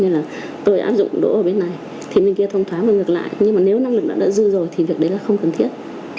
nhưng mà nếu năng lực đã dư rồi thì việc đấy là không cần thiết